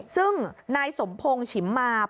ซึ่งนายสมปองฉิมมาเพื่อที่ว่า